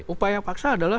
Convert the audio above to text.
upaya paksa adalah